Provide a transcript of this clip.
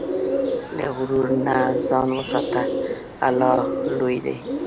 له غرور نه ځان وساته، الله لوی دی.